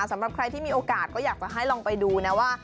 สำหรับใครที่มีโอกาสก็อยากจะให้ลองไปดูนะว่า